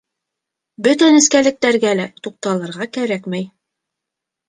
Бөтә нескәлектәргә лә туҡталырға кәрәкмәй